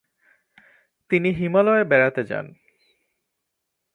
তিনি হিমালয় বেড়াতে যান ।